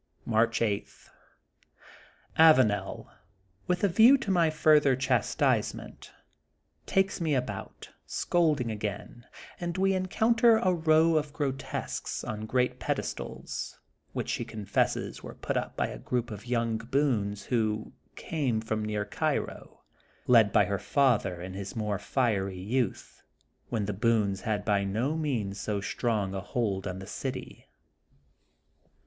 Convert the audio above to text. March 8: — ^Avanel, with a view to my further chastisement, takes me about, scold ing again, and we encounter a row of gro tesques on great pedestals, which she confes ses were put up by a group of young Boones who came from near Cairo, led by her father in his more fiery youth, when the Boones had by no means so strong a hold on the city.